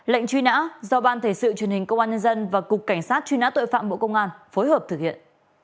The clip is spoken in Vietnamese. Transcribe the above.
lệnh truy nã do ban thể sự truyền hình công an nhân dân và cục cảnh sát truy nã tội phạm bộ công an phối hợp thực hiện